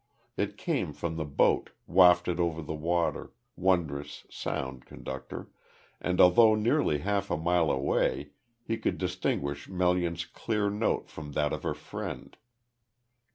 It came from the boat, wafted over the water wondrous sound conductor and although nearly half a mile away he could distinguish Melian's clear note from that of her friend.